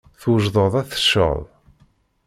Twejdeḍ ad tecceḍ?